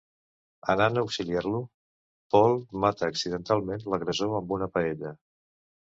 Anant a auxiliar-lo, Paul mata accidentalment l'agressor amb una paella.